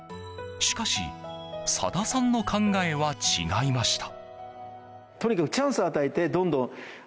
しかし、佐田さんの考えは違いました。